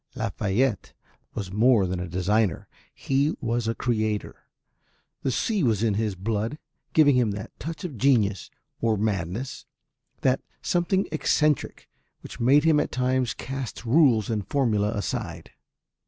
Lafiette was more than a designer, he was a creator, the sea was in his blood giving him that touch of genius or madness, that something eccentric which made him at times cast rules and formulae aside.